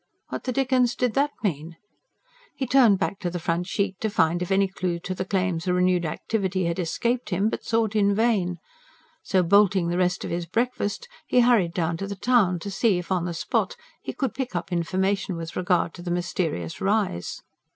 What the dickens did that mean? He turned back to the front sheet, to find if any clue to the claim's renewed activity had escaped him; but sought in vain. So bolting the rest of his breakfast, he hurried down to the town, to see if, on the spot, he could pick up information with regard to the mysterious rise.